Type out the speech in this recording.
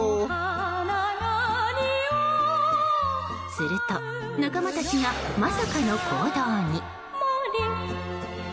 すると、仲間たちがまさかの行動に。